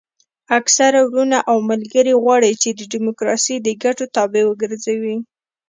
اکثره وروڼه او ملګري غواړي چې ډیموکراسي د ګټو تابع وګرځوي.